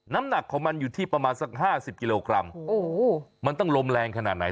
น้ำหนักของมันอยู่ที่ประมาณสักห้าสิบกิโลกรัมโอ้โหมันต้องลมแรงขนาดไหน